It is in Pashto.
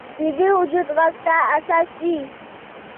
ویده وجود غږ ته حساس وي